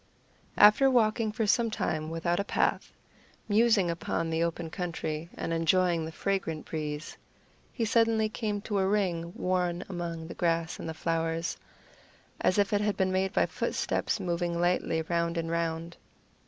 After walking for some time without a path, musing upon the open country and enjoying the fragrant breeze, he suddenly came to a ring worn among the grass and the flowers, as if it had been made by footsteps moving lightly round and round.